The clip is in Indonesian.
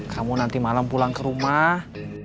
kamu nanti malam pulang ke rumah